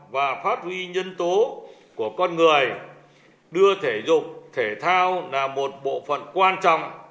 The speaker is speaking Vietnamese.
và những nhân tố của con người đưa thể dục thể thao là một bộ phận quan trọng